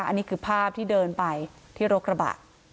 อันนี้คือภาพที่เดินไปที่รถกระบะ